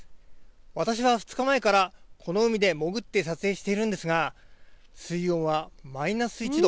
私は２日前からこの海で潜って撮影しているんですが水温はマイナス１度。